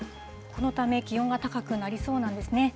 このため、気温が高くなりそうなんですね。